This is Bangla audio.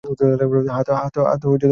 হাত উপরে তোলো!